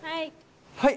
はい。